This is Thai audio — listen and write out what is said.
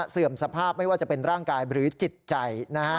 เสื่อมสภาพไม่ว่าจะเป็นร่างกายหรือจิตใจนะฮะ